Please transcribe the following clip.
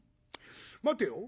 待てよ。